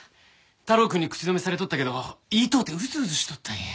太郎くんに口止めされとったけど言いとうてうずうずしとったんや。